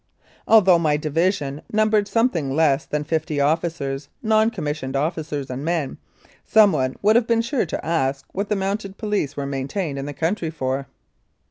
Although my division numbered something less than fifty officers, non commissioned officers and men, some one would have been sure to ask what the Mounted Police were maintained in the country for.